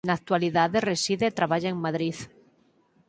Na actualidade reside e traballa en Madrid.